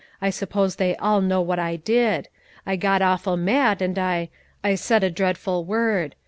I suppose they all know what I did. I got awful mad, and I I said a dreadful word.